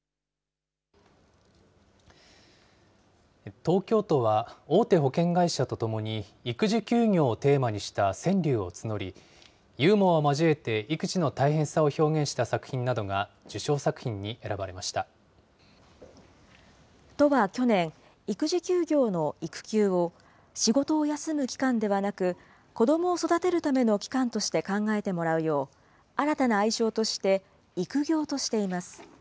東京都は、大手保険会社とともに、育児休業をテーマにした川柳を募り、ユーモアを交えて育児の大変さを表現した作品などが受賞作品に選都は去年、育児休業の育休を、仕事を休む期間ではなく、子どもを育てるための期間として考えてもらうよう、新たな愛称として、育業としています。